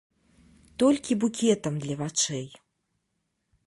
Толькі букетам для вачэй.